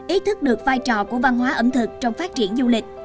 ý thức được vai trò của văn hóa ẩm thực trong phát triển du lịch